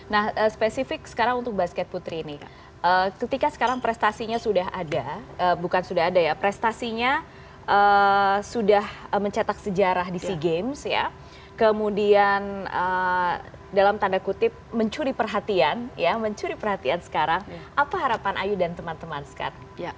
nah spesifik sekarang untuk basket putri ini ketika sekarang prestasinya sudah ada bukan sudah ada ya prestasinya sudah mencetak sejarah di sea games ya kemudian dalam tanda kutip mencuri perhatian ya mencuri perhatian sekarang apa harapan ayu dan teman teman sekarang